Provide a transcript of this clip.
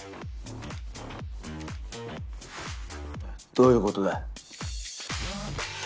どういうことだ？